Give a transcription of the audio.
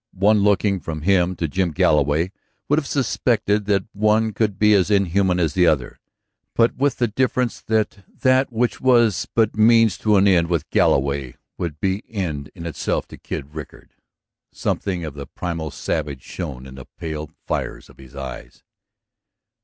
One looking from him to Jim Galloway would have suspected that one could be as inhuman as the other, but with the difference that that which was but means to an end with Galloway would be end in itself to Kid Rickard. Something of the primal savage shone in the pale fires of his eyes.